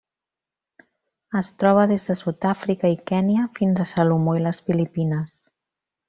Es troba des de Sud-àfrica i Kenya fins a Salomó i les Filipines.